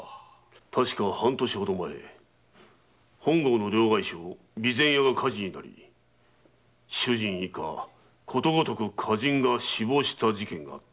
確か半年ほど前両替商「備前屋」が火事になり主人以下ことごとく家人が死亡した事件があった。